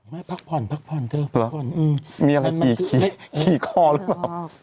ไม่พักผ่อนพักผ่อนเถอะพักผ่อนอืมมีอะไรขี่ขี่ขี่คอหรือเปล่า